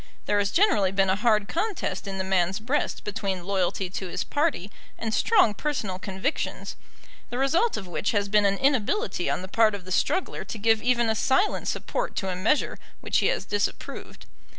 There has generally been a hard contest in the man's breast between loyalty to his party and strong personal convictions, the result of which has been an inability on the part of the struggler to give even a silent support to a measure which he has disapproved.